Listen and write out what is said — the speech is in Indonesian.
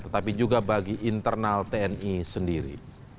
tetapi juga bagi internal tni sendiri